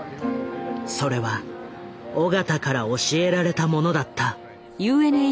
それは緒方から教えられたものだった。